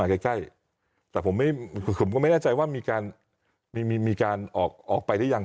มาใกล้ใกล้แต่ผมไม่ผมก็ไม่แน่ใจว่ามีการมีมีมีการออกออกไปได้ยัง